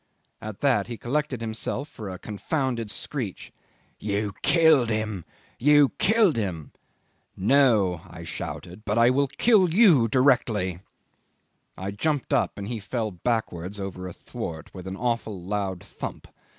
At that he collected himself for a confounded screech. 'You killed him! You killed him!' 'No,' I shouted, 'but I will kill you directly.' I jumped up, and he fell backwards over a thwart with an awful loud thump.